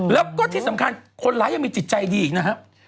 แล้วก็ที่สำคัญคนร้ายยังมีจิตใจดีอีกนะครับ